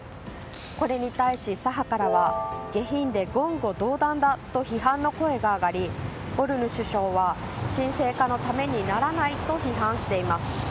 これに対し、左派からは下品で言語道断だと批判の声が上がりボルヌ首相は沈静化のためにならないと批判しています。